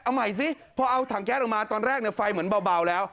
เอาใหม่สิพอเอาถังแก๊สออกมาตอนแรกไฟเหมือนเบาแล้ว